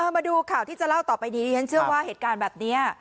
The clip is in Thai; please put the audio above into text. มาดูข่าวที่จะเล่าต่อไปนี้ดิฉันเชื่อว่าเหตุการณ์แบบนี้